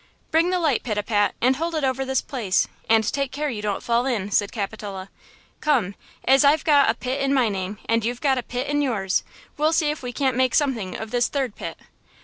"Bring the light, Pitapat, and hold it over this place, and take care you don't fall in," said Capitola. "Come, as I've got a 'pit' in my name and you've got a 'pit' in yours, we'll see if we can't make something of this third 'pit.'"